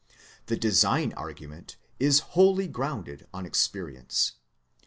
The Design argu ment is wholly grounded on experience.